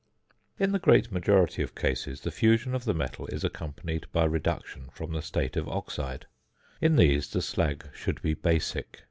In the great majority of cases, the fusion of the metal is accompanied by reduction from the state of oxide; in these the slag should be basic.